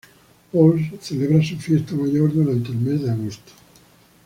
Pauls celebra su fiesta mayor durante el mes de agosto.